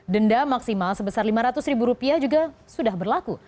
denda maksimal sebesar lima ratus ribu rupiah juga sudah berlaku